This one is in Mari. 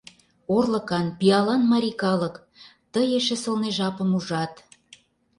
Орлыкан, Пиалан марий калык, Тый эше сылне жапым ужат!